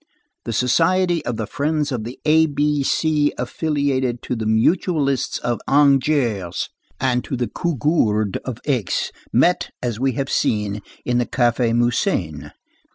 The Society of the Friends of the A B C affiliated to the Mutualists of Angers, and to the Cougourde of Aix, met, as we have seen, in the Café Musain.